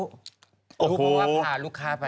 ทุกคนเลยผ่าลูกค้าไป